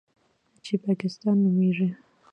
چې پاکستان نومېږي.